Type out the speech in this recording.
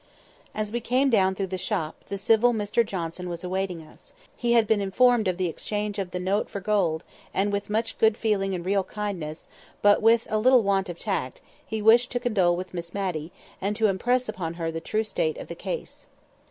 As we came down through the shop, the civil Mr Johnson was awaiting us; he had been informed of the exchange of the note for gold, and with much good feeling and real kindness, but with a little want of tact, he wished to condole with Miss Matty, and impress upon her the true state of the case.